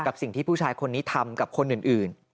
กับสิ่งที่ผู้ชายคนนี้ทำกับคนอื่น